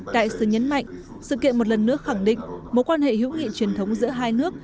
đại sứ nhấn mạnh sự kiện một lần nữa khẳng định mối quan hệ hữu nghị truyền thống giữa hai nước